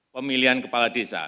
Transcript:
pemilihan kepala desa